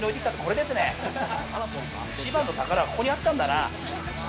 一番の宝は、ここにあったんだな。